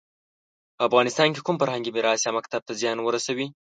په افغانستان کې کوم فرهنګي میراث یا مکتب ته زیان ورسوي.